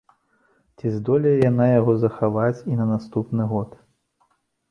Ці здолее яна яго захаваць і на наступны год?